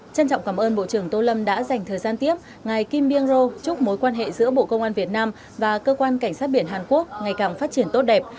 trân trọng cảm ơn bộ trưởng tô lâm đã dành thời gian tiếp ngài kim byung ro chúc mối quan hệ giữa bộ công an việt nam và cơ quan cảnh sát biển hàn quốc ngày càng phát triển tốt đẹp